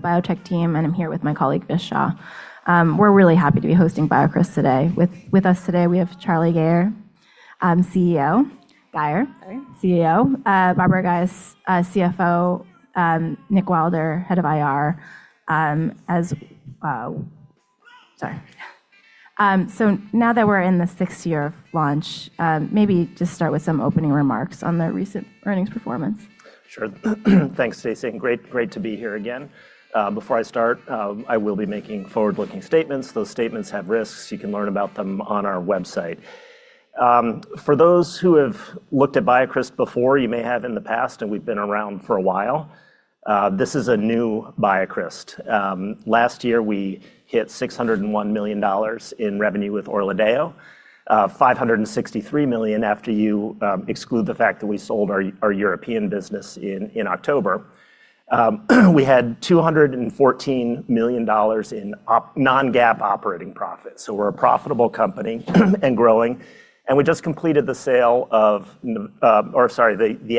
The biotech team, and I'm here with my colleague, Visha. We're really happy to be hosting BioCryst today. With us today, we have Charlie Gayer, CEO. Sorry. Babar Ghias, CFO, Nick Wilder, head of IR. Now that we're in the sixth year of launch, maybe just start with some opening remarks on the recent earnings performance. Sure. Thanks, Stacy, and great to be here again. Before I start, I will be making forward-looking statements. Those statements have risks. You can learn about them on our website. For those who have looked at BioCryst before, you may have in the past, and we've been around for a while, this is a new BioCryst. Last year, we hit $601 million in revenue with ORLADEYO, $563 million after you exclude the fact that we sold our European business in October. We had $214 million in non-GAAP operating profits. We're a profitable company and growing, and we just completed the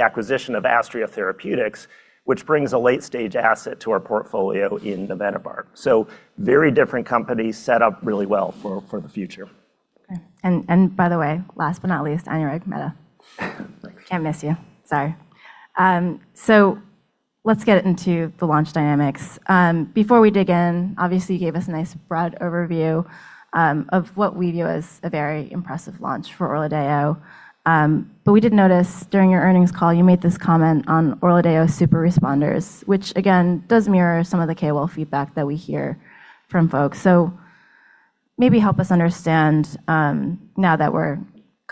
acquisition of Astria Therapeutics, which brings a late-stage asset to our portfolio in navenibart. Very different companies set up really well for the future. Okay. By the way, last but not least, [Anurag Mehta]. Can't miss you. Sorry. Let's get into the launch dynamics. Before we dig in, obviously, you gave us a nice broad overview, of what we view as a very impressive launch for ORLADEYO. We did notice during your earnings call, you made this comment on ORLADEYO super-responders, which again does mirror some of the KOL feedback that we hear from folks. Maybe help us understand, now that we're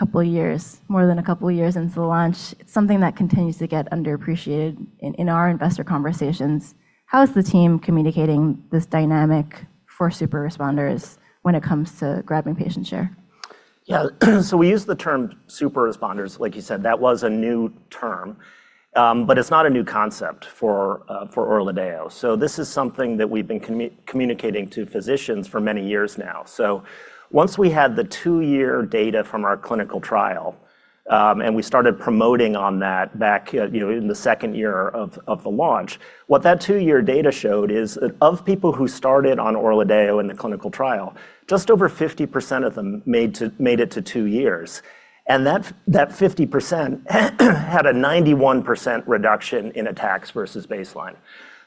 a couple years, more than a couple years into the launch, something that continues to get underappreciated in our investor conversations, how is the team communicating this dynamic for super-responders when it comes to grabbing patient share? We use the term super-responders, like you said. That was a new term, but it's not a new concept for ORLADEYO. This is something that we've been communicating to physicians for many years now. Once we had the two-year data from our clinical trial, and we started promoting on that back, you know, in the second year of the launch, what that two-year data showed is, of people who started on ORLADEYO in the clinical trial, just over 50% of them made it to two years, and that 50% had a 91% reduction in attacks versus baseline.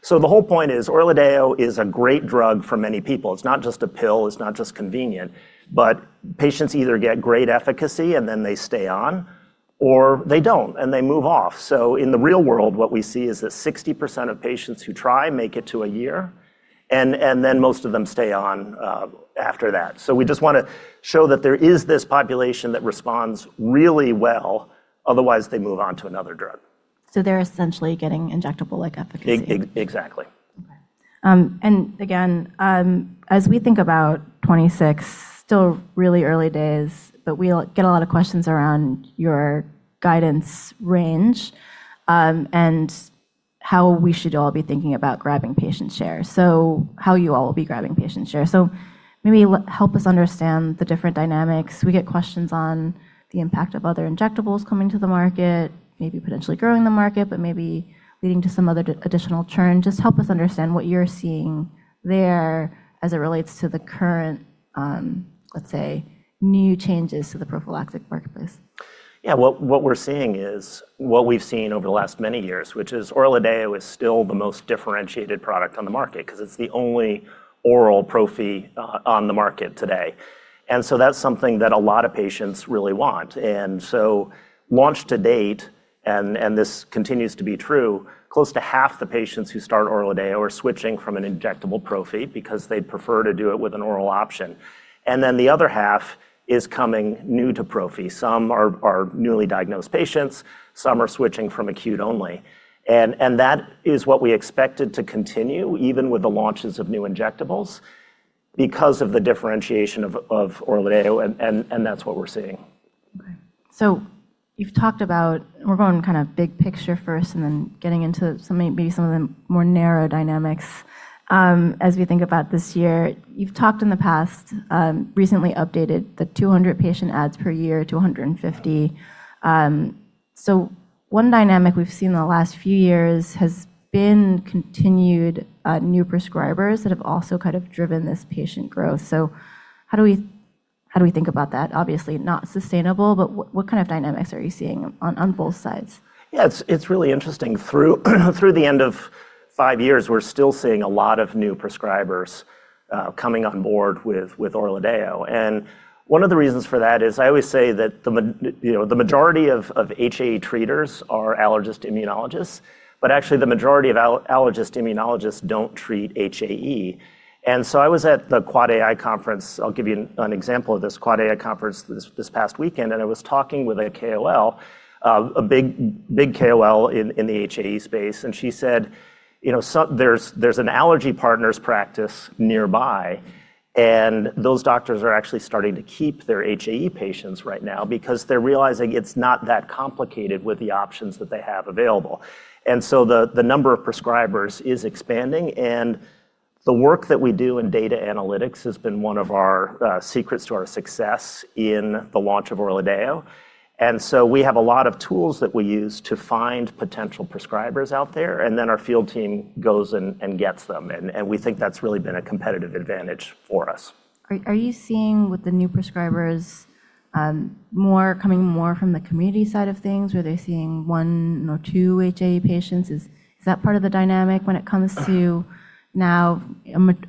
The whole point is ORLADEYO is a great drug for many people. It's not just a pill, it's not just convenient, but patients either get great efficacy and then they stay on, or they don't, and they move off. In the real world, what we see is that 60% of patients who try make it to a year, and then most of them stay on after that. We just wanna show that there is this population that responds really well, otherwise they move on to another drug. They're essentially getting injectable-like efficacy. Exactly. Again, as we think about 2026, still really early days, but we get a lot of questions around your guidance range, and how we should all be thinking about grabbing patient share. How you all will be grabbing patient share. Maybe help us understand the different dynamics. We get questions on the impact of other injectables coming to the market, maybe potentially growing the market, but maybe leading to some other additional churn. Just help us understand what you're seeing there as it relates to the current, let's say, new changes to the prophylactic marketplace. Yeah. What we're seeing is what we've seen over the last many years, which is ORLADEYO is still the most differentiated product on the market 'cause it's the only oral prophy on the market today. That's something that a lot of patients really want. Launch to date, and this continues to be true, close to half the patients who start ORLADEYO are switching from an injectable prophy because they'd prefer to do it with an oral option. Then the other half is coming new to prophy. Some are newly diagnosed patients, some are switching from acute only. That is what we expected to continue even with the launches of new injectables because of the differentiation of ORLADEYO, and that's what we're seeing. Okay. We're going kinda big picture first and then getting into some, maybe some of the more narrow dynamics, as we think about this year. You've talked in the past, recently updated the 200 patient adds per year to 150. One dynamic we've seen in the last few years has been continued, new prescribers that have also kind of driven this patient growth. How do we think about that? Obviously not sustainable, what kind of dynamics are you seeing on both sides? Yeah. It's really interesting. Through the end of five years, we're still seeing a lot of new prescribers coming on board with ORLADEYO. One of the reasons for that is I always say that you know, the majority of HAE treaters are allergist immunologists, but actually the majority of allergist immunologists don't treat HAE. I was at the AAAAI conference, I'll give you an example of this, AAAAI conference this past weekend, and I was talking with a big KOL in the HAE space, and she said, "You know, so there's an Allergy Partners practice nearby, and those doctors are actually starting to keep their HAE patients right now because they're realizing it's not that complicated with the options that they have available." The number of prescribers is expanding and the work that we do in data analytics has been one of our secrets to our success in the launch of ORLADEYO. We have a lot of tools that we use to find potential prescribers out there, and then our field team goes and gets them. And we think that's really been a competitive advantage for us. Are you seeing with the new prescribers, more coming more from the community side of things? Were they seeing one or two HAE patients? Is that part of the dynamic when it comes to now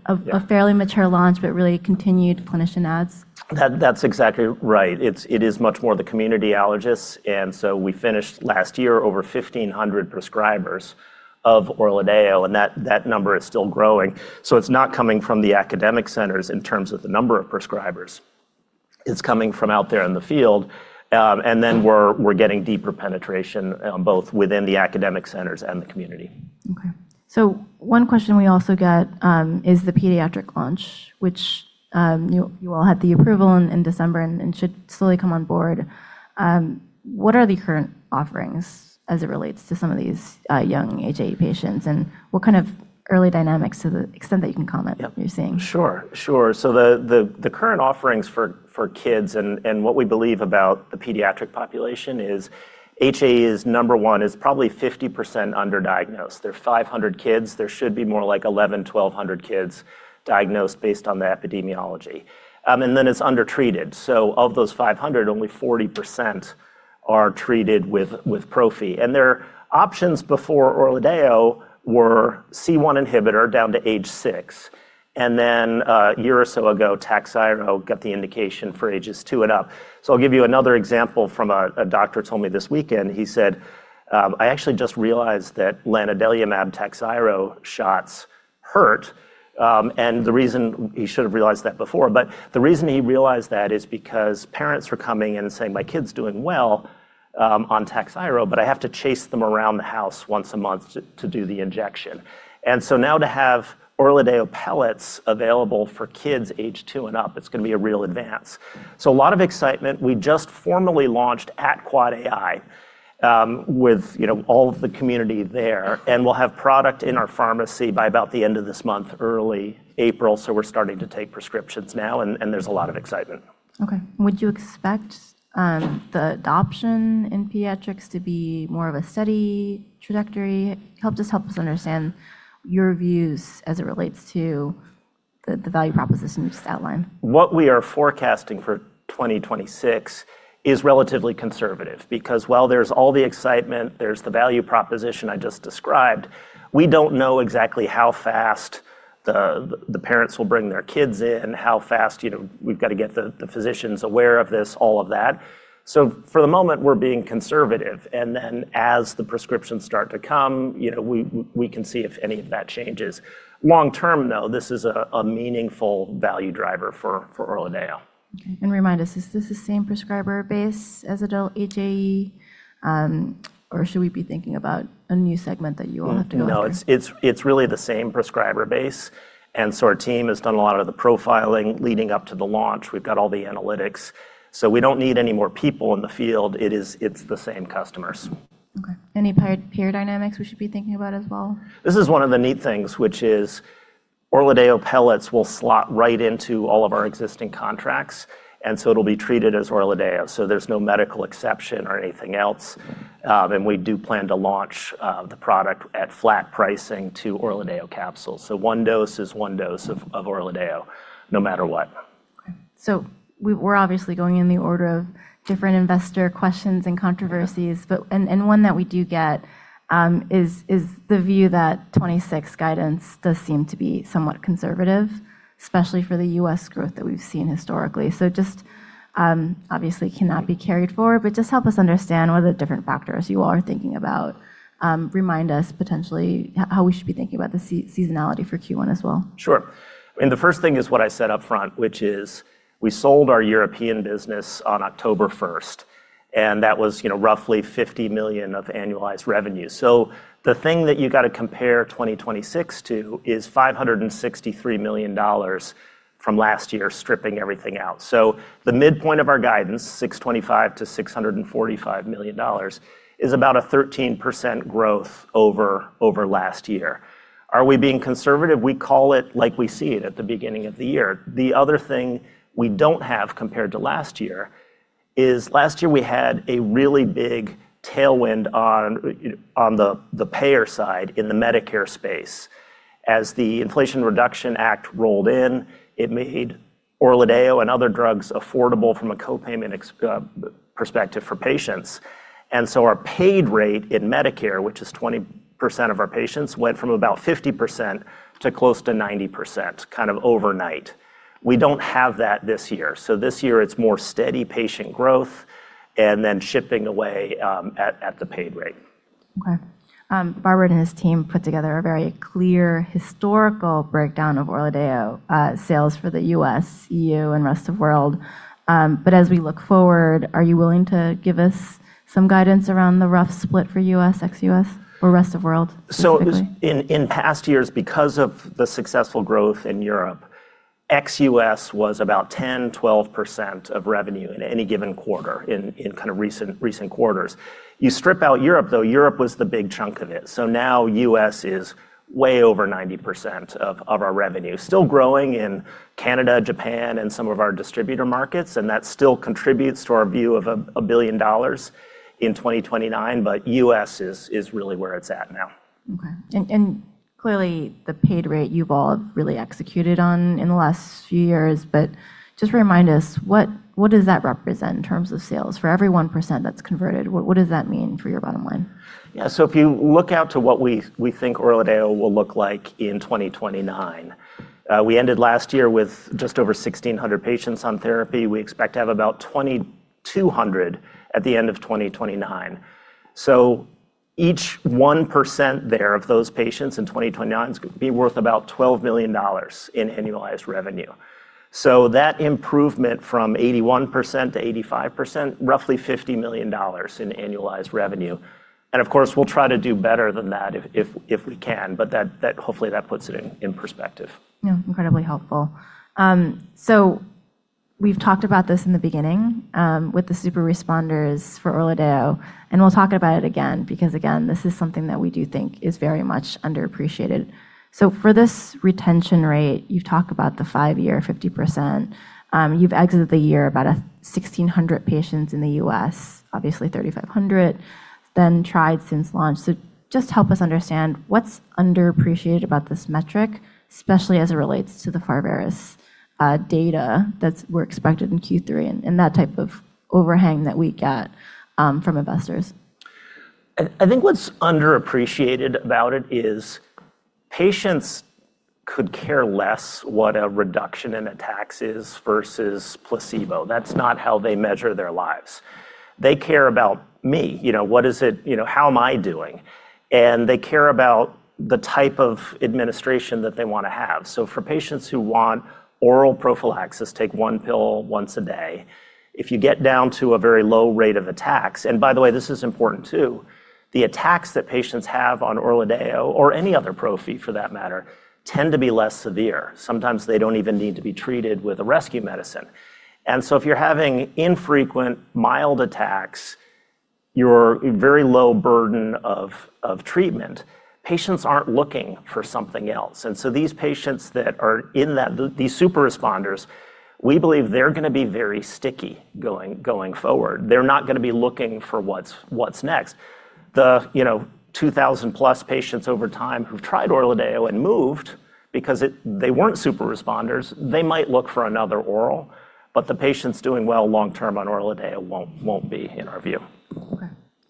a fairly mature launch, but really continued clinician adds? That's exactly right. It is much more the community allergists. We finished last year over 1,500 prescribers of ORLADEYO, and that number is still growing. It's not coming from the academic centers in terms of the number of prescribers. It's coming from out there in the field. We're getting deeper penetration on both within the academic centers and the community. Okay. One question we also get, is the pediatric launch, which you all had the approval in December and should slowly come on board. What are the current offerings as it relates to some of these young HAE patients, and what kind of early dynamics to the extent that you can comment. Yep. You're seeing? Sure. The current offerings for kids and what we believe about the pediatric population is HAE is number one, is probably 50% underdiagnosed. There are 500 kids. There should be more like 1,100-1,200 kids diagnosed based on the epidemiology. Then it's undertreated. Of those 500, only 40% are treated with prophy. Their options before ORLADEYO were C1 inhibitor down to age six, and then a year or so ago, Takhzyro got the indication for ages two and up. I'll give you another example from a doctor told me this weekend. He said, "I actually just realized that lanadelumab Takhzyro shots hurt," the reason he should have realized that before, but the reason he realized that is because parents were coming and saying, "My kid's doing well on Takhzyro, but I have to chase them around the house once a month to do the injection." Now to have ORLADEYO pellets available for kids age two and up, it's gonna be a real advance. A lot of excitement. We just formally launched at AAAAI, with, you know, all of the community there, and we'll have product in our pharmacy by about the end of this month, early April, so we're starting to take prescriptions now and there's a lot of excitement. Okay. Would you expect the adoption in pediatrics to be more of a steady trajectory? Help us understand your views as it relates to the value propositions you just outlined. What we are forecasting for 2026 is relatively conservative because while there's all the excitement, there's the value proposition I just described, we don't know exactly how fast the parents will bring their kids in, how fast, you know, we've got to get the physicians aware of this, all of that. For the moment, we're being conservative, and then as the prescriptions start to come, you know, we can see if any of that changes. Long term, though, this is a meaningful value driver for ORLADEYO. Okay. remind us, is this the same prescriber base as adult HAE, or should we be thinking about a new segment that you all have to go after? No, it's really the same prescriber base. Our team has done a lot of the profiling leading up to the launch. We've got all the analytics, so we don't need any more people in the field. It's the same customers. Okay. Any peer dynamics we should be thinking about as well? This is one of the neat things, which is ORLADEYO pellets will slot right into all of our existing contracts, it'll be treated as ORLADEYO, so there's no medical exception or anything else. We do plan to launch the product at flat pricing to ORLADEYO capsules. One dose is one dose of ORLADEYO no matter what. We're obviously going in the order of different investor questions and controversies. Yeah. And one that we do get, is the view that 26 guidance does seem to be somewhat conservative, especially for the U.S. growth that we've seen historically. Just, obviously cannot be carried forward, but just help us understand what are the different factors you all are thinking about. Remind us potentially how we should be thinking about the seasonality for Q1 as well. Sure. The first thing is what I said up front, which is we sold our European business on October 1st, and that was, you know, roughly $50 million of annualized revenue. The thing that you gotta compare 2026 to is $563 million from last year, stripping everything out. The midpoint of our guidance, $625 million-$645 million, is about a 13% growth over last year. Are we being conservative? We call it like we see it at the beginning of the year. The other thing we don't have compared to last year is last year we had a really big tailwind on the payer side in the Medicare space. As the Inflation Reduction Act rolled in, it made ORLADEYO and other drugs affordable from a co-payment perspective for patients. Our paid rate in Medicare, which is 20% of our patients, went from about 50% to close to 90% kind of overnight. We don't have that this year. This year it's more steady patient growth and then chipping away, at the paid rate. Okay. Babar Ghias and his team put together a very clear historical breakdown of ORLADEYO sales for the U.S., E.U., and rest of world. As we look forward, are you willing to give us some guidance around the rough split for U.S., ex-U.S., or rest of world specifically? In past years, because of the successful growth in Europe ex-U.S. was about 10-12% of revenue in any given quarter in kind of recent quarters. You strip out Europe, though, Europe was the big chunk of it. Now U.S. is way over 90% of our revenue. Still growing in Canada, Japan, and some of our distributor markets, and that still contributes to our view of a billion dollars in 2029, U.S. is really where it's at now. Okay. Clearly the paid rate you've all really executed on in the last few years, but just remind us what does that represent in terms of sales? For every 1% that's converted, what does that mean for your bottom line? Yeah. If you look out to what we think ORLADEYO will look like in 2029, we ended last year with just over 1,600 patients on therapy. We expect to have about 2,200 at the end of 2029. Each 1% there of those patients in 2029 is gonna be worth about $12 million in annualized revenue. That improvement from 81% to 85%, roughly $50 million in annualized revenue. Of course, we'll try to do better than that if we can, but that, hopefully, that puts it in perspective. Yeah. Incredibly helpful. We've talked about this in the beginning, with the super-responders for ORLADEYO, and we'll talk about it again, because again, this is something that we do think is very much underappreciated. For this retention rate, you've talked about the five-year, 50%. You've exited the year about a 1,600 patients in the U.S., obviously 3,500 then tried since launch. Just help us understand what's underappreciated about this metric, especially as it relates to the Pharvaris data that were expected in Q3 and that type of overhang that we get from investors. I think what's underappreciated about it is patients could care less what a reduction in attacks is versus placebo. That's not how they measure their lives. They care about me. You know, what is it? You know, how am I doing? They care about the type of administration that they wanna have. So for patients who want oral prophylaxis, take one pill once a day, if you get down to a very low rate of attacks, and by the way, this is important too, the attacks that patients have on ORLADEYO or any other prophy for that matter, tend to be less severe. Sometimes they don't even need to be treated with a rescue medicine. If you're having infrequent mild attacks, you're very low burden of treatment, patients aren't looking for something else. These patients that are in that, these super responders, we believe they're gonna be very sticky going forward. They're not gonna be looking for what's next. The, you know, 2,000 plus patients over time who've tried ORLADEYO and moved because they weren't super responders, they might look for another oral, but the patients doing well long term on ORLADEYO won't be, in our view.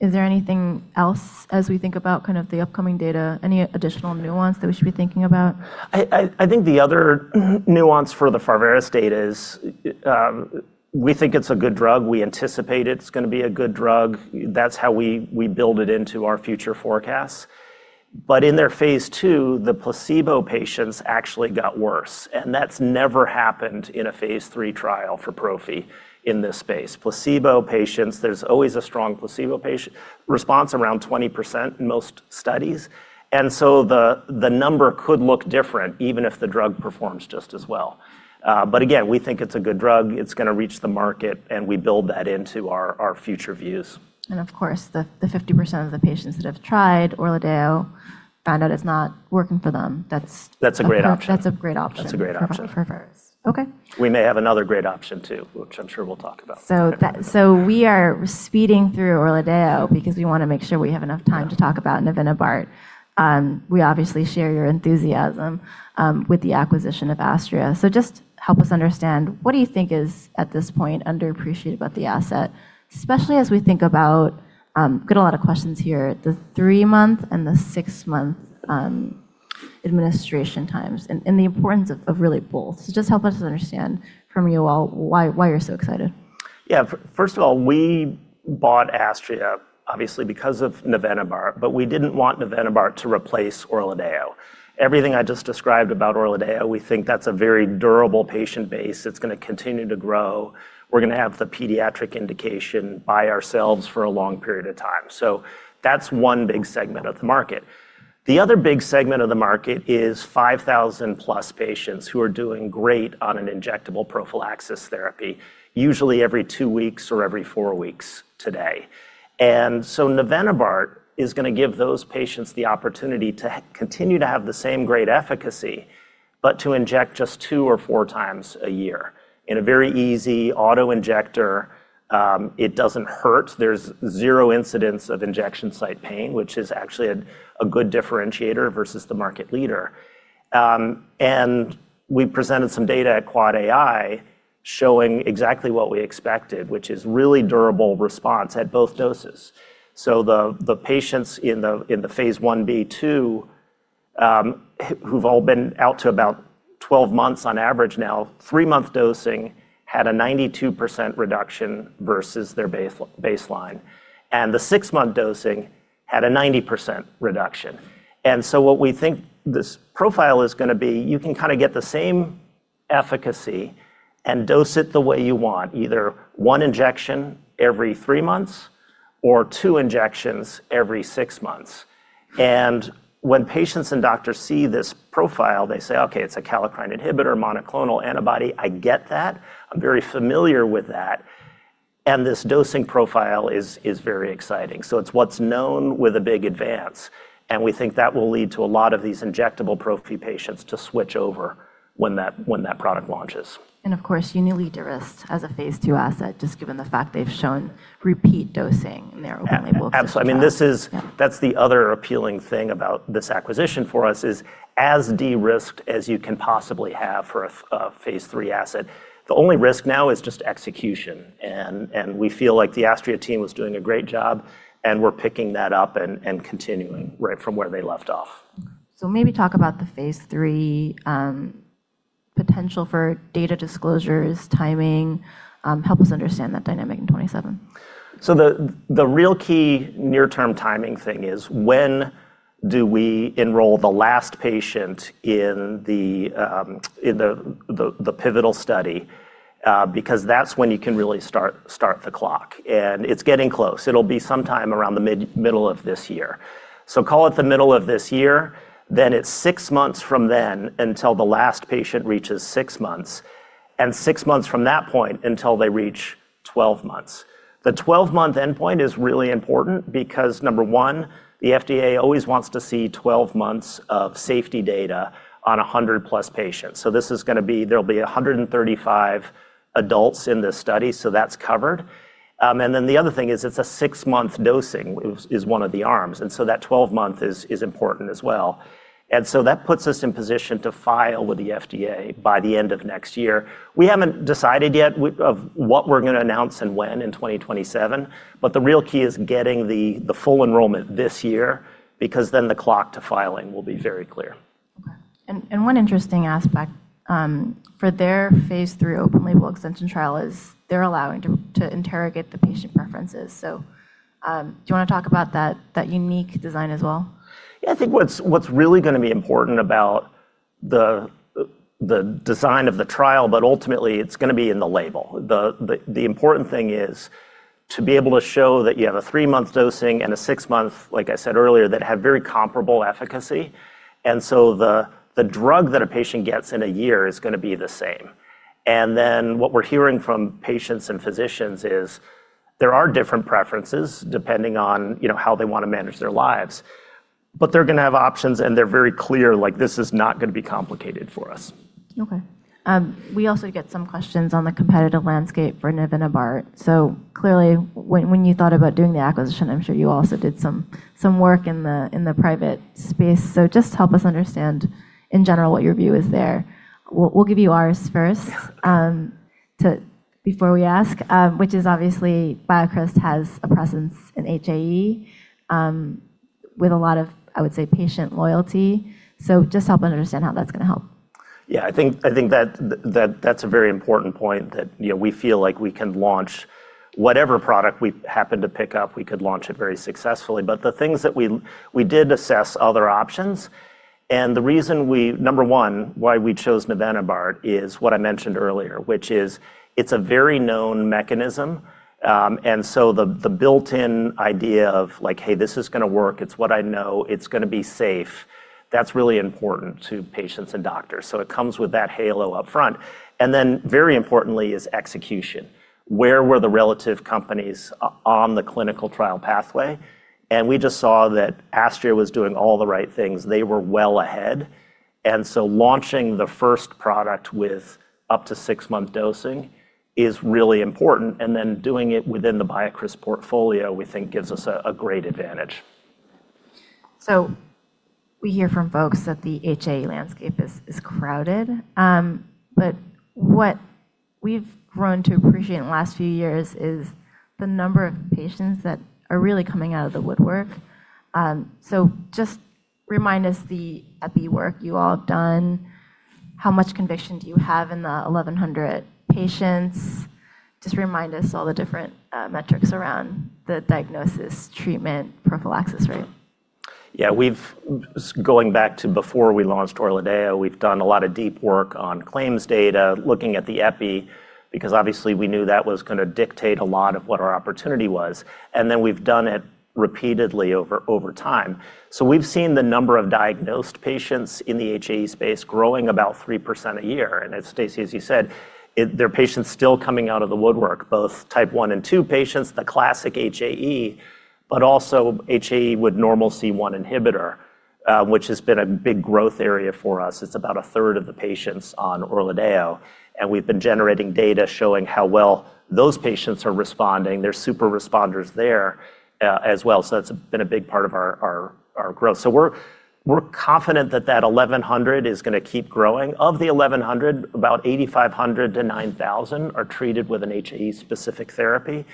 Is there anything else as we think about kind of the upcoming data, any additional nuance that we should be thinking about? I think the other nuance for the Pharvaris data is, we think it's a good drug. We anticipate it's gonna be a good drug. That's how we build it into our future forecasts. In their phase 2, the placebo patients actually got worse, and that's never happened in a phase 3 trial for prophy in this space. Placebo patients, there's always a strong placebo patient response, around 20% in most studies. The number could look different even if the drug performs just as well. Again, we think it's a good drug, it's gonna reach the market, and we build that into our future views. Of course, the 50% of the patients that have tried ORLADEYO found out it's not working for them, that's. That's a great option. That's a great option. That's a great option. For Pharvaris. Okay. We may have another great option too, which I'm sure we'll talk about. We are speeding through ORLADEYO because we wanna make sure we have enough time to talk about navenibart. We obviously share your enthusiasm with the acquisition of Astria. Just help us understand, what do you think is, at this point, underappreciated about the asset, especially as we think about, get a lot of questions here, the three-month and the six-month, administration times and the importance of really both. Just help us understand from you all why you're so excited. Yeah. First of all, we bought Astria obviously because of navenibart, but we didn't want navenibart to replace ORLADEYO. Everything I just described about ORLADEYO, we think that's a very durable patient base. It's gonna continue to grow. We're gonna have the pediatric indication by ourselves for a long period of time. That's one big segment of the market. The other big segment of the market is 5,000 plus patients who are doing great on an injectable prophylaxis therapy, usually every two weeks or every four weeks today. navenibart is gonna give those patients the opportunity to continue to have the same great efficacy, but to inject just two or four times a year in a very easy autoinjector, it doesn't hurt. There's zero incidence of injection site pain, which is actually a good differentiator versus the market leader. We presented some data at AAAAI showing exactly what we expected, which is really durable response at both doses. The patients in the phase 1b/2 who've all been out to about 12 months on average now, three-month dosing had a 92% reduction versus their baseline, and the six-month dosing had a 90% reduction. What we think this profile is gonna be, you can kinda get the same efficacy and dose it the way you want, either one injection every three months or two injections every six months. When patients and doctors see this profile, they say, "Okay, it's a kallikrein inhibitor, monoclonal antibody. I get that. I'm very familiar with that," and this dosing profile is very exciting. It's what's known with a big advance, and we think that will lead to a lot of these injectable prophy patients to switch over when that, when that product launches. Of course, you need to de-risk as a phase 2 asset, just given the fact they've shown repeat dosing in their open-label. I mean, this is. Yeah. That's the other appealing thing about this acquisition for us is as de-risked as you can possibly have for a phase 3 asset. The only risk now is just execution, and we feel like the Astria team was doing a great job, and we're picking that up and continuing right from where they left off. Maybe talk about the phase 3 potential for data disclosures, timing, help us understand that dynamic in 27. The real key near term timing thing is when do we enroll the last patient in the pivotal study, because that's when you can really start the clock, and it's getting close. It'll be sometime around the middle of this year. Call it the middle of this year, then it's six months from then until the last patient reaches six months, and six months from that point until they reach 12 months. The 12-month endpoint is really important because, number 1, the FDA always wants to see 12 months of safety data on a 100+ patients. This is gonna be there'll be 135 adults in this study, so that's covered. The other thing is it's a six-month dosing is one of the arms, that 12-month is important as well. That puts us in position to file with the FDA by the end of next year. We haven't decided yet what we're gonna announce and when in 2027, but the real key is getting the full enrollment this year, because then the clock to filing will be very clear. Okay. One interesting aspect, for their phase 3 open-label extension trial is they're allowing to interrogate the patient preferences. Do you wanna talk about that unique design as well? Yeah. I think what's really gonna be important about the design of the trial, but ultimately it's gonna be in the label. The important thing is to be able to show that you have a three-month dosing and a six-month, like I said earlier, that have very comparable efficacy. The drug that a patient gets in a year is gonna be the same. What we're hearing from patients and physicians is there are different preferences depending on, you know, how they wanna manage their lives. They're gonna have options, and they're very clear, like, this is not gonna be complicated for us. Okay. We also get some questions on the competitive landscape for navenibart. Clearly when you thought about doing the acquisition, I'm sure you also did some work in the private space. Just help us understand in general what your view is there. We'll give you ours first before we ask, which is obviously BioCryst has a presence in HAE, with a lot of, I would say, patient loyalty. Just help understand how that's gonna help. Yeah. I think that's a very important point that, you know, we feel like we can launch whatever product we happen to pick up, we could launch it very successfully. The things that we did assess other options, the reason we number 1, why we chose navenibart is what I mentioned earlier, which is it's a very known mechanism, and so the built-in idea of like, "Hey, this is gonna work. It's what I know. It's gonna be safe," that's really important to patients and doctors. It comes with that halo up front. Very importantly is execution. Where were the relative companies on the clinical trial pathway? We just saw that Astria was doing all the right things. They were well ahead. Launching the first product with up to six-month dosing is really important, and then doing it within the BioCryst portfolio, we think gives us a great advantage. We hear from folks that the HAE landscape is crowded, but what we've grown to appreciate in the last few years is the number of patients that are really coming out of the woodwork. Just remind us the epi work you all have done. How much conviction do you have in the 1,100 patients? Just remind us all the different metrics around the diagnosis, treatment, prophylaxis rate. Yeah. Going back to before we launched ORLADEYO, we've done a lot of deep work on claims data, looking at the epi, because obviously we knew that was gonna dictate a lot of what our opportunity was, and then we've done it repeatedly over time. We've seen the number of diagnosed patients in the HAE space growing about 3% a year. As Stacy, as you said, there are patients still coming out of the woodwork, both type one and two patients, the classic HAE, but also HAE with normal C1 inhibitor, which has been a big growth area for us. It's about a third of the patients on ORLADEYO, and we've been generating data showing how well those patients are responding. They're super responders there as well. That's been a big part of our growth. We're confident that that 1,100 is gonna keep growing. Of the 1,100, about 8,500-9,000 are treated with an HAE specific therapy,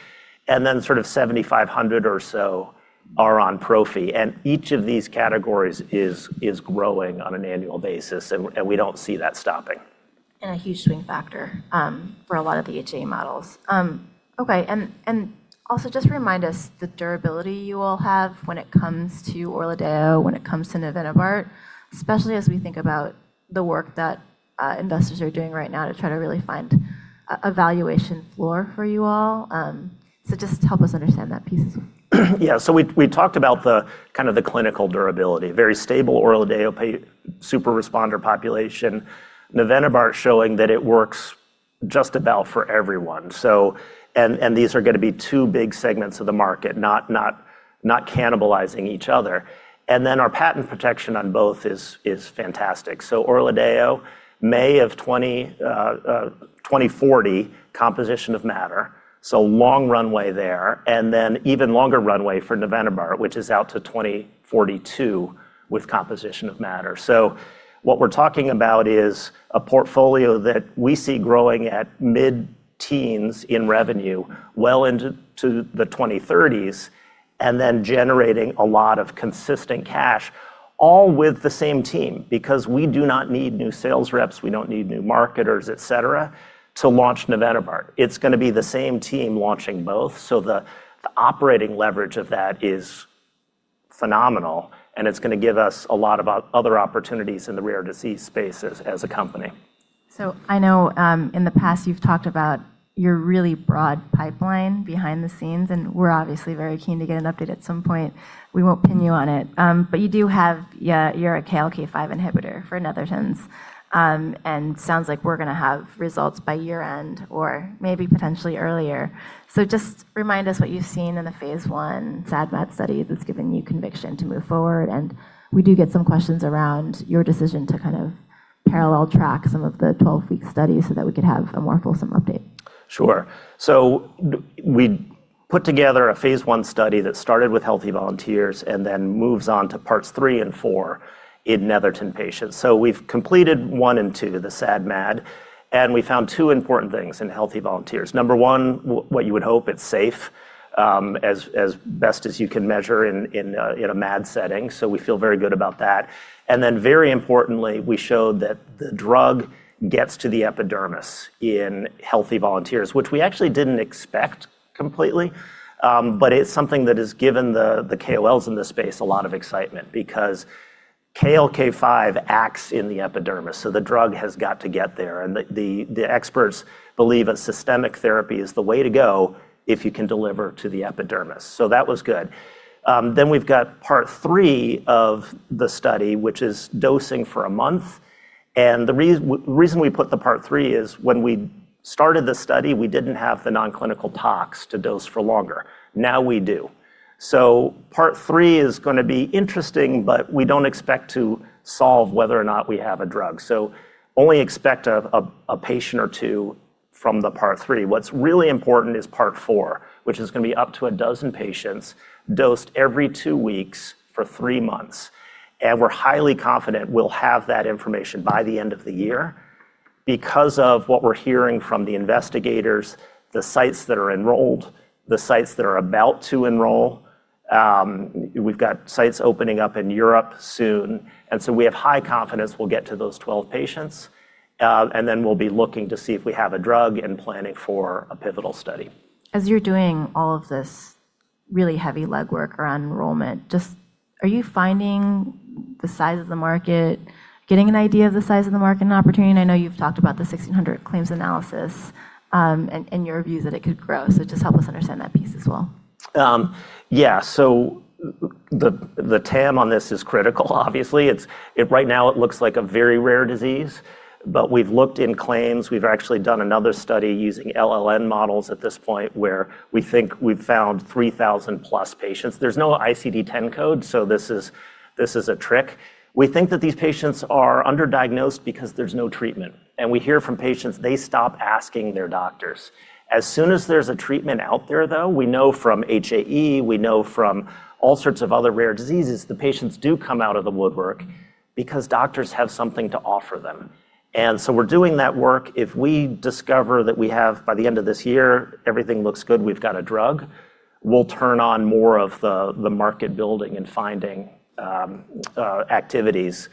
and then sort of 7,500 or so are on Prophy. Each of these categories is growing on an annual basis, and we don't see that stopping. A huge swing factor, for a lot of the HAE models. Okay. Just remind us the durability you all have when it comes to ORLADEYO, when it comes to navenibart, especially as we think about the work that investors are doing right now to try to really find a valuation floor for you all. Just help us understand that piece. Yeah. We talked about the kind of the clinical durability, very stable ORLADEYO super-responder population, navenibart showing that it works just about for everyone. And these are gonna be two big segments of the market, not cannibalizing each other. Then our patent protection on both is fantastic. ORLADEYO, May of 2040, composition of matter, long runway there. Then even longer runway for navenibart, which is out to 2042 with composition of matter. What we're talking about is a portfolio that we see growing at mid-teens in revenue well into the 2030s, and then generating a lot of consistent cash, all with the same team because we do not need new sales reps, we don't need new marketers, et cetera, to launch navenibart. It's gonna be the same team launching both. The operating leverage of that is phenomenal, and it's gonna give us a lot of other opportunities in the rare disease space as a company. I know, in the past you've talked about your really broad pipeline behind the scenes, and we're obviously very keen to get an update at some point. We won't pin you on it. You do have yeah, your KLK5 inhibitor for Netherton's, and sounds like we're gonna have results by year-end or maybe potentially earlier. Just remind us what you've seen in the phase 1 SAD/MAD study that's given you conviction to move forward. We do get some questions around your decision to kind of parallel track some of the 12-week studies so that we could have a more fulsome update. Sure. We put together a phase 1 study that started with healthy volunteers and then moves on to parts 3 and 4 in Netherton patients. We've completed 1 and 2, the SAD/MAD, and we found two important things in healthy volunteers. Number 1, what you would hope, it's safe, as best as you can measure in a MAD setting. We feel very good about that. Very importantly, we showed that the drug gets to the epidermis in healthy volunteers, which we actually didn't expect completely. It's something that has given the KOLs in this space a lot of excitement because KLK5 acts in the epidermis, so the drug has got to get there. The experts believe a systemic therapy is the way to go if you can deliver to the epidermis. That was good. Then we've got part 3 of the study, which is dosing for a month. The reason we put the part 3 is when we started the study, we didn't have the nonclinical toxicology to dose for longer. Now we do. Part 3 is gonna be interesting, but we don't expect to solve whether or not we have a drug. Only expect a patient or two from the part 3. What's really important is part 4, which is gonna be up to 12 patients dosed every two weeks for three months. We're highly confident we'll have that information by the end of the year because of what we're hearing from the investigators, the sites that are enrolled, the sites that are about to enroll. We've got sites opening up in Europe soon, and so we have high confidence we'll get to those 12 patients. We'll be looking to see if we have a drug and planning for a pivotal study. As you're doing all of this really heavy legwork around enrollment, just are you finding the size of the market, getting an idea of the size of the market and opportunity? I know you've talked about the 1,600 claims analysis, and your view is that it could grow. Just help us understand that piece as well. Yeah. The, the TAM on this is critical, obviously. Right now it looks like a very rare disease, but we've looked in claims. We've actually done another study using LLM models at this point where we think we've found 3,000 plus patients. There's no ICD-10 code, so this is a trick. We think that these patients are underdiagnosed because there's no treatment, and we hear from patients they stop asking their doctors. As soon as there's a treatment out there, though, we know from HAE, we know from all sorts of other rare diseases, the patients do come out of the woodwork because doctors have something to offer them. We're doing that work. If we discover that we have by the end of this year, everything looks good, we've got a drug, we'll turn on more of the market building and finding activities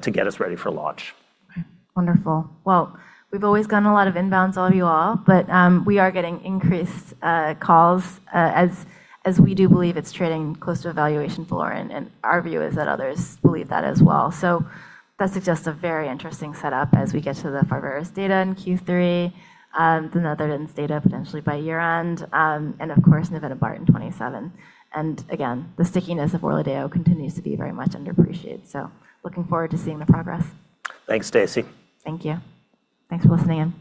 to get us ready for launch. Wonderful. Well, we've always gotten a lot of inbounds on you all, but we are getting increased calls as we do believe it's trading close to a valuation floor. Our view is that others believe that as well. That suggests a very interesting setup as we get to the Pharvaris data in Q3, the Netherton's data potentially by year-end, and of course, navenibart in 2027. Again, the stickiness of ORLADEYO continues to be very much underappreciated. Looking forward to seeing the progress. Thanks, Stacy. Thank you. Thanks for listening in.